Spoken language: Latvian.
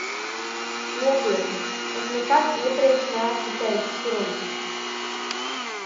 Nopietni, es nekad iepriekš neesmu teicis runu.